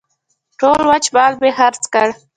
ټول وچ مال مې خرڅ کړ.